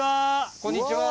こんにちは。